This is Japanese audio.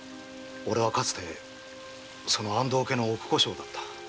俺はかつてその安藤家の奥小姓だった。